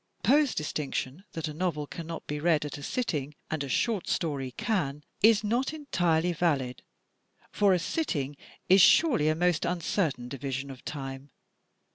Poe's distinction that a novel cannot be read at a sitting and a short story can, is not entirely valid. For "a sitting" is surely a most uncertain division of time.